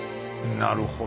なるほど。